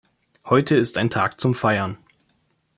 Heute ist ein Tag zum Feiern.